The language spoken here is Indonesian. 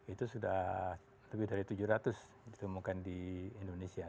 itu sudah lebih dari tujuh ratus ditemukan di indonesia